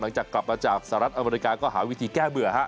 หลังจากกลับมาจากสหรัฐอเมริกาก็หาวิธีแก้เบื่อฮะ